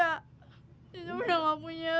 hajija udah gak punya rumah